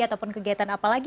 atau kegiatan apa lagi